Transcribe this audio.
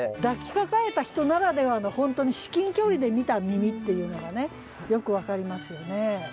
抱きかかえた人ならではの本当に至近距離で見た耳っていうのがよく分かりますよね。